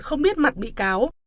không biết mặt bị cáo